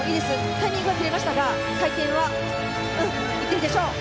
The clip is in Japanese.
タイミングはずれましたが回転は、いってるでしょう。